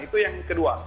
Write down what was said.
itu yang kedua